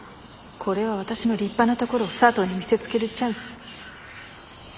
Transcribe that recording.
これは私の立派なところを佐藤に見せつけるチャンス。